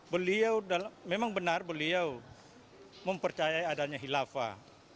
beliau memang benar beliau mempercayai adanya hilafah